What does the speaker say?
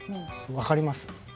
分かります？